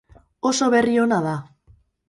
Oso berri ona da.